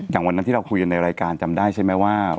วันนั้นที่เราคุยกันในรายการจำได้ใช่ไหมว่า